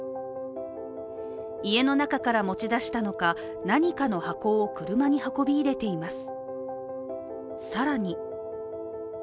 家の中から持ち出したのか、何かの箱を車に運び入れています。